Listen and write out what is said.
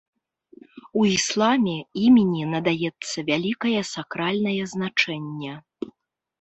У ісламе імені надаецца вялікае сакральнае значэнне.